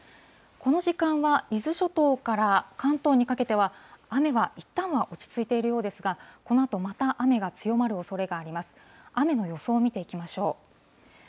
この時間は、伊豆諸島から関東にかけては、雨はいったんは落ち着いているようですが、このあとまた雨が強まるおそれがあります。